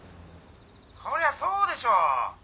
☎そりゃそうでしょう。